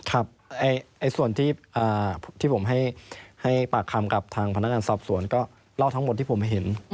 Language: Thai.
ครับส่วนที่ผมให้ปากคำกับทางพนักงานสอบสวนก็เล่าทั้งหมดที่ผมเห็น